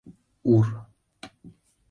Ур.